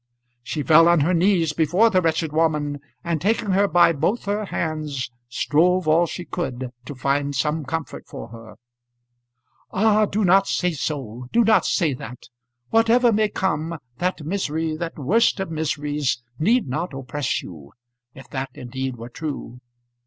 She fell on her knees before the wretched woman, and taking her by both her hands strove all she could to find some comfort for her. "Ah, do not say so. Do not say that. Whatever may come, that misery that worst of miseries need not oppress you. If that indeed were true!"